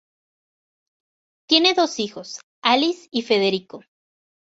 Tiene dos hijos, Alice y Federico.